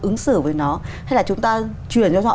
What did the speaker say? ứng xử với nó hay là chúng ta truyền cho họ